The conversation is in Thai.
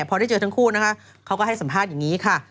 พอได้เจอทั้งคู่นะคะเขาก็ให้สัมภาษณ์อย่างนี้ค่ะ